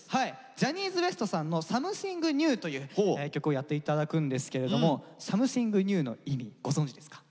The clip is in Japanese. ジャニーズＷＥＳＴさんの「サムシング・ニュー」という曲をやって頂くんですけれども「サムシング・ニュー」の意味ご存じですか？